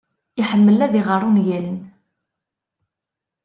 Iḥemmel ad iɣer ungalen.